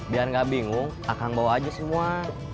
biar gak bingung akan bawa aja semua